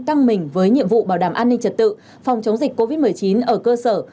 căng mình với nhiệm vụ bảo đảm an ninh trật tự phòng chống dịch covid một mươi chín ở cơ sở